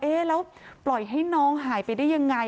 แล้วปล่อยให้น้องหายไปได้ยังไง